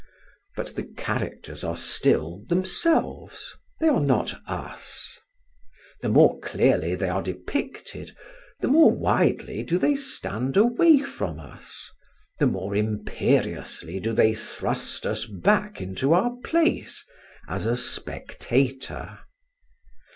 But the characters are still themselves, they are not us; the more clearly they are depicted, the more widely do they stand away from us, the more imperiously do they thrust us back into our place as a spectator.